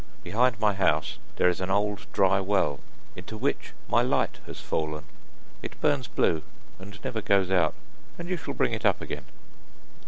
Behind my house, there is an old dry well, into which my light has fallen, it burns blue, and never goes out, and you shall bring it up again.